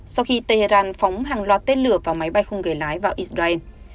sau khi tehran phóng hàng loạt tên lửa vào máy bay không người lái vào israel